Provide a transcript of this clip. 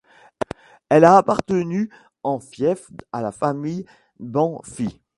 Elle a appartenu en fief à la famille Bánffy.